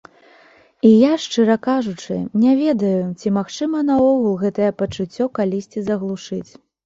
І я, шчыра кажучы, не ведаю, ці магчыма наогул гэтае пачуццё калісьці заглушыць.